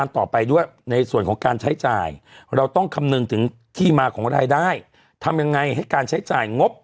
ต่อไปในส่วนของการใช้จ่าย